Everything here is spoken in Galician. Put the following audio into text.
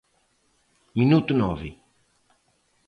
Minuto nove.